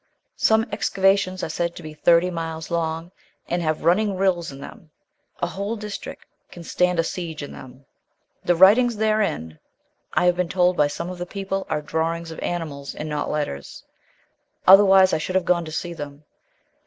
Some excavations are said to be thirty miles long, and have running rills in them; a whole district can stand a siege in them. The 'writings' therein, I have been told by some of the people, are drawings of animals, and not letters; otherwise I should have gone to see them.